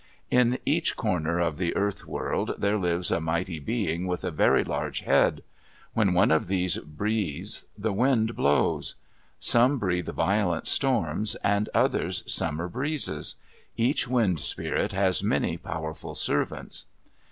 At each corner of the Earth World there lives a mighty being, with a very large head. When any one of these breathes, the wind blows. Some breathe violent storms and others summer breezes. Each wind spirit has many powerful servants.